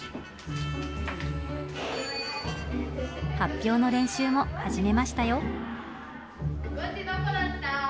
発表の練習も始めましたよ。